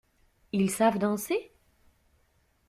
Ils savent danser?